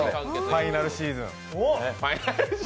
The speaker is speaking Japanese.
ファイナルシーズン。